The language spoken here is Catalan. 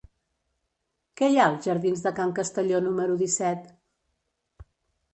Què hi ha als jardins de Can Castelló número disset?